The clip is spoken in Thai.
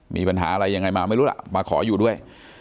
มีปัญหาอะไรยังไงมาไม่รู้ล่ะมาขออยู่ด้วย